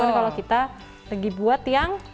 tapi kalau kita lagi buat yang